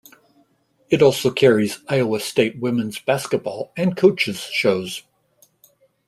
It also carries Iowa State women's basketball and coaches' shows.